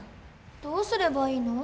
どうすればいいの？